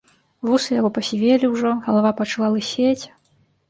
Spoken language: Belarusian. Вусы яго пасівелі ўжо, галава пачала лысець.